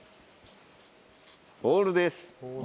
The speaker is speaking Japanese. ボールです。